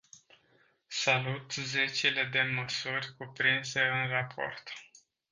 Salut zecile de măsuri cuprinse în raport.